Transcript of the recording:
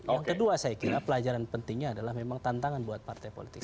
yang kedua saya kira pelajaran pentingnya adalah memang tantangan buat partai politik